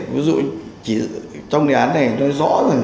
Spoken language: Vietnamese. ví dụ trong đề án này nói rõ rồi